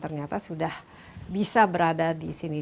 ternyata sudah bisa berada di sini